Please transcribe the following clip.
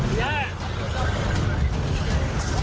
พยามาเร็ว